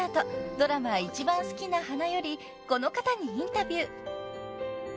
［ドラマ『いちばんすきな花』よりこの方にインタビュー］